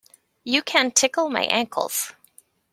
You can tickle my ankles.